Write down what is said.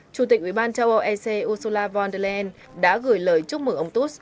chủ tịch uban châu âu ec ursula von der leyen đã gửi lời chúc mừng ông stutz